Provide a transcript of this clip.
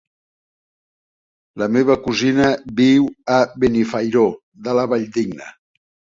La meva cosina viu a Benifairó de la Valldigna.